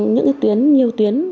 những tuyến nhiều tuyến